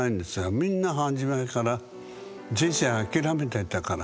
みんな初めから人生諦めてたから。